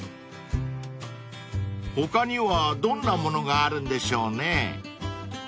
［他にはどんなものがあるんでしょうね］